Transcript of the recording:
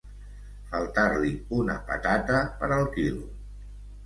Faltar-li una patata per al quilo.